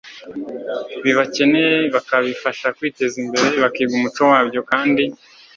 bibakeneye bakabifasha kwiteza imbere, bakiga umuco wabyo kandi